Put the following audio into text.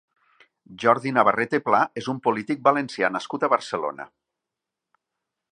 Jordi Navarrete Pla és un polític valencià nascut a Barcelona.